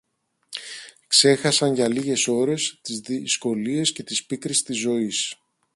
ξέχασαν για λίγες ώρες τις δυσκολίες και τις πίκρες της ζωής.